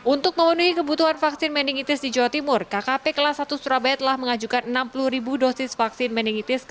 untuk memenuhi kebutuhan vaksin meningitis di jawa timur kkp kelas satu surabaya telah mengajukan enam puluh ribu dosis vaksin meningitis